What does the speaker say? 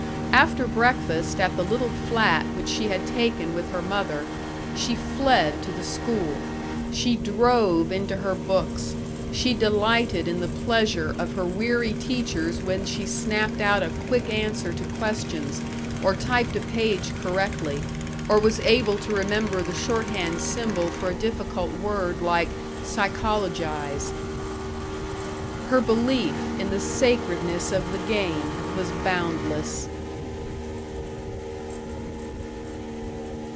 After breakfast at the little flat which she had taken with her mother, she fled to the school. She drove into her books, she delighted in the pleasure of her weary teachers when she snapped out a quick answer to questions, or typed a page correctly, or was able to remember the shorthand symbol for a difficult word like "psychologize." Her belief in the sacredness of the game was boundless.